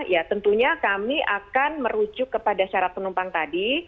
ya tentunya kami akan merujuk kepada syarat penumpang tadi